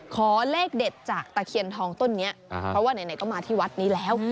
ขอเลขเด็ดจากตะเคียนทองต้นนี้เพราะว่าไหนก็มาที่วัดนี้แล้ว